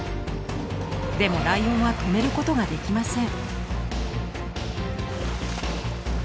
でもライオンは止めることができません。